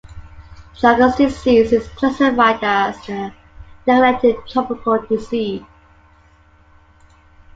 Chagas disease is classified as a neglected tropical disease.